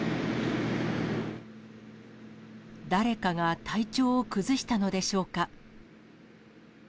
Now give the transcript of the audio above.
誰かが体調を崩したのでしょうか。